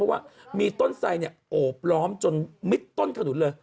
เพราะว่ามีต้นไทยเนี่ยโอบล้อมจนมิดต้นขนุนเลย